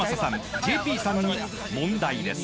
ＪＰさんに問題です］